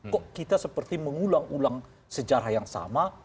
kok kita seperti mengulang ulang sejarah yang sama